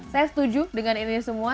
saya setuju dengan ini semua